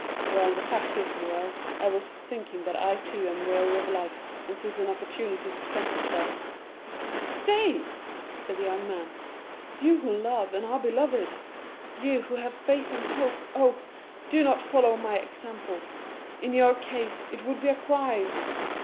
"Well, the fact is, Morrel, I was thinking that I too am weary of life, and since an opportunity presents itself——" "Stay!" said the young man. "You who love, and are beloved; you, who have faith and hope,—oh, do not follow my example. In your case it would be a crime.